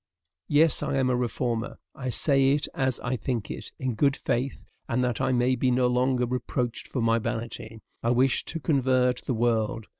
Yes, I am a reformer; I say it as I think it, in good faith, and that I may be no longer reproached for my vanity. I wish to convert the world.